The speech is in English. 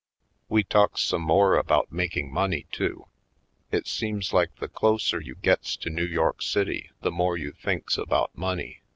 We talks some more about making money, too. It seems like the closer you gets to New York City the more you thinks about money.